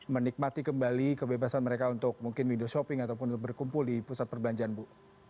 menikmati kembali kebebasan mereka untuk mungkin window shopping ataupun untuk berkumpul di pusat belanja bu